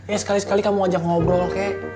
ya sekali sekali kamu ajak ngobrol kek